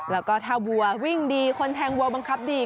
แล้วก็ถ้าวัววิ่งดีคนแทงวัวบังคับดี